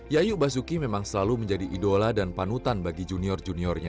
yayu basuki memang selalu menjadi idola dan panutan bagi junior juniornya